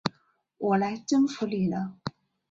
我来征服你了！